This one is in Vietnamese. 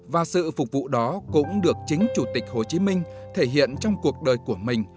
và sự phục vụ đó cũng được chính chủ tịch hồ chí minh thể hiện trong cuộc đời của mình